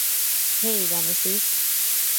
হেই, Ramesses.